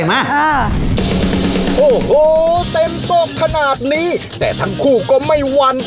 โอ้โหเต็มโต๊ะขนาดนี้แต่ทั้งคู่ก็ไม่หวั่น